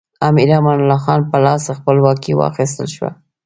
امیر امان الله خان په لاس خپلواکي واخیستل شوه.